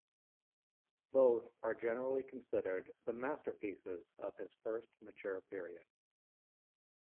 Both are generally considered the masterpieces of his first mature period.